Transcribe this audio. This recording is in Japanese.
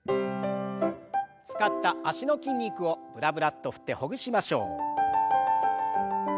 使った脚の筋肉をブラブラッと振ってほぐしましょう。